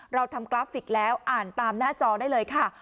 เราทำกราฟิกแล้วอ่านตามหน้าจอได้เลยค่ะ